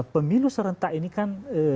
pemilu serentak ini kan